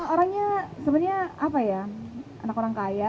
orangnya sebenarnya anak orang kaya